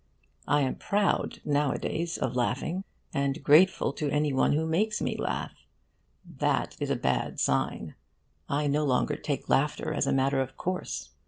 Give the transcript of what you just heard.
And I am proud, nowadays, of laughing, and grateful to any one who makes me laugh. That is a bad sign. I no longer take laughter as a matter of course.